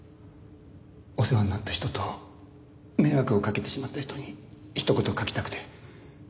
お世話になった人と迷惑をかけてしまった人にひと言書きたくて。